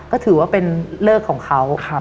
ก็ถือว่าเป็นเลิกของเขา